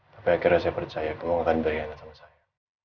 tapi akhirnya saya percaya kemungkinan beri anak sama saya